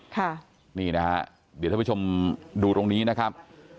ค่ะนี่นะฮะเดี๋ยวท่านผู้ชมดูตรงนี้นะครับ